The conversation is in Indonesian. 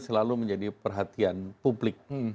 selalu menjadi perhatian publik